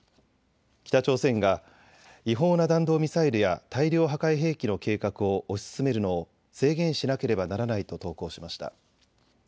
北朝鮮が違法な弾道ミサイルや大量破壊兵器の計画を推し進めるのを制限しなければならないと投稿しました。